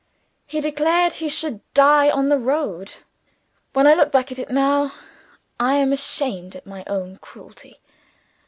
He declared he should die on the road. When I look back at it now, I am amazed at my own cruelty.